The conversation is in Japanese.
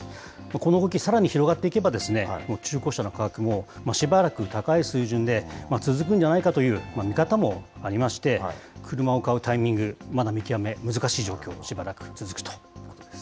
この動き、さらに広がっていけば、もう中古車の価格も、しばらく高い水準で続くんじゃないかという見方もありまして、車を買うタイミング、まだ見極め、難しい状況、しばらく続くということです。